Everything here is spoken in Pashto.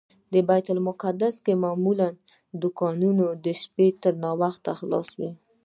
په بیت المقدس کې معمولا دوکانونه د شپې تر ناوخته خلاص وي.